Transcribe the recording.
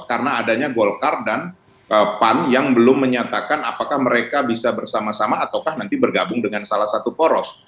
karena adanya golkar dan pan yang belum menyatakan apakah mereka bisa bersama sama ataukah nanti bergabung dengan salah satu poros